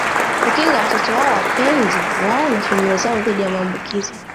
Kukinga watoto wao wapenzi wao na familia zao dhidi ya maambukizi